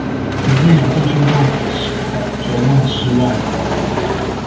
每次講這句話的時候就萬試萬靈